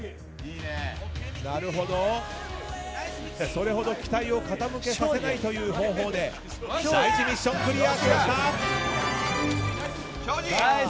それほど機体を傾けさせないという方法で第１ミッションクリアしました。